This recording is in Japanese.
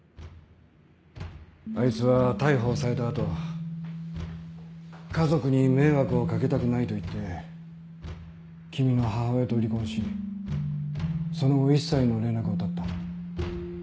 あいつは逮捕された後家族に迷惑を掛けたくないと言って君の母親と離婚しその後一切の連絡を絶った。